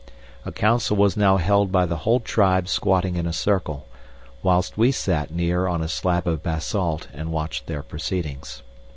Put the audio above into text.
A council was now held by the whole tribe squatting in a circle, whilst we sat near on a slab of basalt and watched their proceedings.